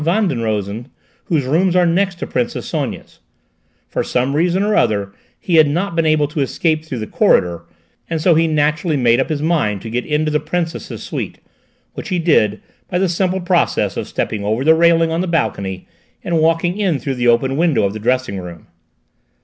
Van den Rosen, whose rooms are next to Princess Sonia's: for some reason or other he had not been able to escape through the corridor, and so he naturally made up his mind to get into the Princess's suite, which he did by the simple process of stepping over the railing on the balcony and walking in through the open window of the dressing room."